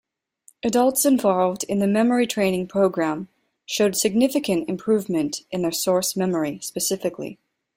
Adults involved in the memory-training program showed significant improvement in their source memory specifically.